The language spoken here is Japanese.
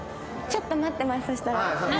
ちょっと待ってます。